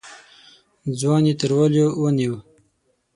ځوان يې تر وليو ونيو.